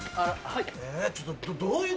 はい。